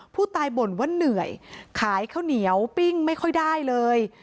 บ่นว่าเหนื่อยขายข้าวเหนียวปิ้งไม่ค่อยได้เลย